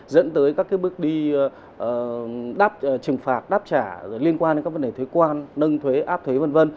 dẫn tới các bước đi trừng phạt đáp trả liên quan đến các vấn đề thuế quan nâng thuế áp thuế v v